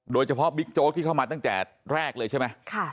บิ๊กโจ๊กที่เข้ามาตั้งแต่แรกเลยใช่ไหม